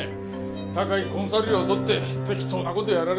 高いコンサル料取って適当な事やられたんじゃ。